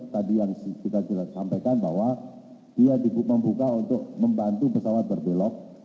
tadi yang kita sampaikan bahwa dia dibuka untuk membantu pesawat berbelok